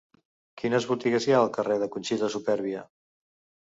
Quines botigues hi ha al carrer de Conxita Supervia?